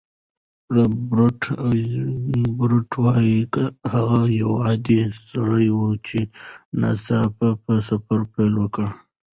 رابرټ ایزنبرګ وايي، هغه یو عادي سړی و چې ناڅاپه سفر پیل کړ.